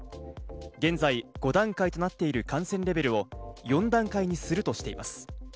現在５段階となっている感染レベルを４段階にするとしています。